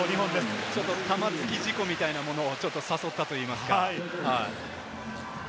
玉突き事故みたいなものを誘ったといいますか。